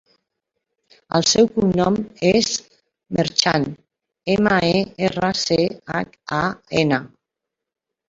El seu cognom és Merchan: ema, e, erra, ce, hac, a, ena.